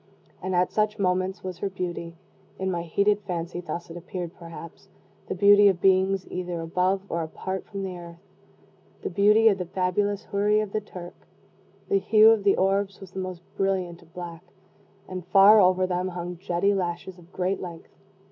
And at such moments was her beauty in my heated fancy thus it appeared perhaps the beauty of beings either above or apart from the earth the beauty of the fabulous Houri of the Turk. The hue of the orbs was the most brilliant of black, and, far over them, hung jetty lashes of great length.